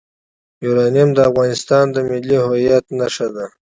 یورانیم د افغانستان د ملي هویت نښه ده.